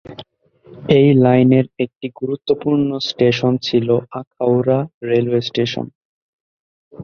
এই লাইনের একটি গুরুত্বপূর্ণ স্টেশন ছিলো আখাউড়া রেলওয়ে স্টেশন।